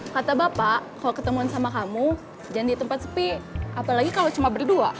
kata bapak kalau ketemuan sama kamu jangan di tempat sepi apalagi kalau cuma berdua